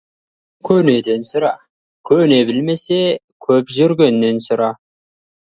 Керегіңді көнеден сұра, көне білмесе, көп жүргеннен сұра.